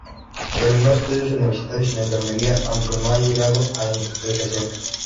Terminó estudios universitarios de Enfermería, aunque no ha llegado a ejercer.